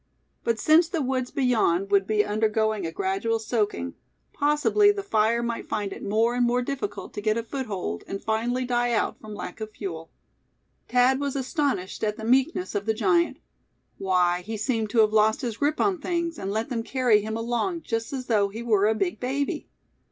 But since the woods beyond would be undergoing a gradual soaking, possibly the fire might find it more and more difficult to get a foothold, and finally die out from lack of fuel. Thad was astonished at the meekness of the giant. Why, he seemed to have lost his grip on things, and let them carry him along just as though he were a big baby.